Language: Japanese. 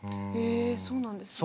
えそうなんですか。